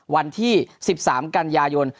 วันที่๑๓กันยายน